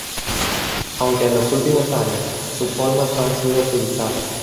Aunque en los últimos años sus formas han sido estilizadas.